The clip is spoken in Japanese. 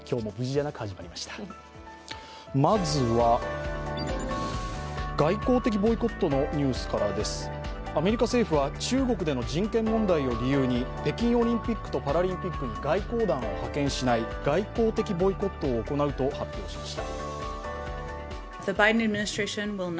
アメリカ政府は中国での人権問題を理由に北京オリンピックとパラリンピックに外交団を派遣しない外交的ボイコットを行うと発表しました。